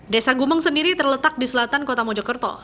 desa gumeng sendiri terletak di selatan kota mojokerto